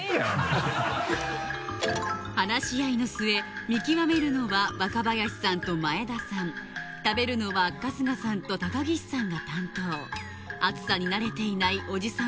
話し合いの末見極めるのは若林さんと前田さん食べるのは春日さんと高岸さんが担当熱さに慣れていないおじさん